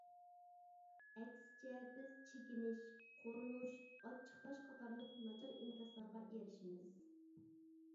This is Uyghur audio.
ئەكسىچە بىز چېكىنىش، قورۇنۇش، ئاچچىقلاش قاتارلىق ناچار ئىنكاسلارغا ئېرىشمىز.